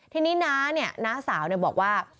ทีนี้น้าสาวบอกว่า